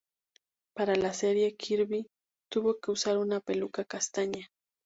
Para la serie Kirby tuvo que usar una peluca castaña.